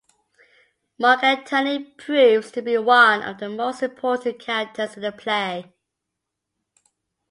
Mark Antony proves to be one of the most important characters in the play.